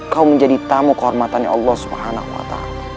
kau menjadi tamu kehormatannya allah swt